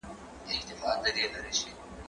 زه د کتابتوننۍ سره خبري کړي دي